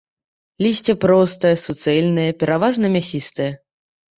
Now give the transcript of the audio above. Лісце простае, суцэльнае, пераважна мясістае.